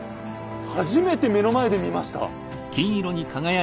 初めて目の前で見ました。